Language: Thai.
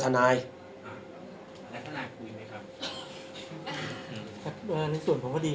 ถ้าไม่เลิกไปกับ๔๓ปี